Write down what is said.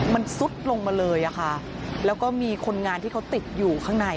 มันซุดลงมาเลยอะค่ะแล้วก็มีคนงานที่เขาติดอยู่ข้างใน